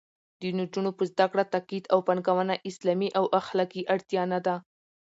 د نجونو په زده کړه تاکید او پانګونه اسلامي او اخلاقي اړتیا نه ده